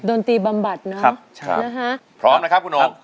ดนตรีบำบัดเนอะพร้อมนะครับคุณโหน่ง